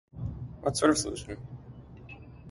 What sort of solution?